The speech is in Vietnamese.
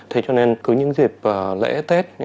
thế cho nên cứ những dịp lễ tết